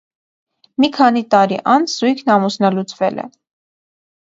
Մի քանի տարի անց զույգն ամուսնալուծվել է։